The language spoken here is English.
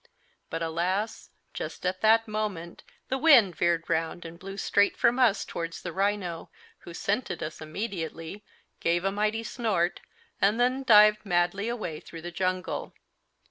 But, alas, just at that moment the wind veered round and blew straight from us towards the rhino, who scented us immediately, gave a mighty snort and then dived madly away through the jungle.